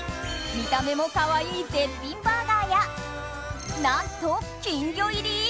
見た目も可愛い絶品バーガーや何と金魚入り？